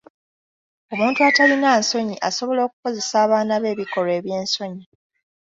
Omuntu atalina nsonyi asobola okukozesa abaana be ebikolwa eby'ensonyi.